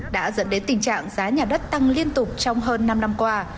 đã dẫn đến tình trạng giá nhà đất tăng liên tục trong hơn năm năm qua